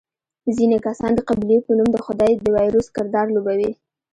ځینې کسان د قبیلې په نوم د خدۍ د وایروس کردار لوبوي.